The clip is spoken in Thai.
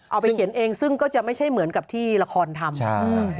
เอาไปเขียนเองซึ่งก็จะไม่ใช่เหมือนกับที่ละครทำ